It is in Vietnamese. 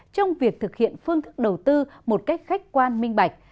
trong việc thực hiện phương thức đầu tư một cách khách quan minh bạch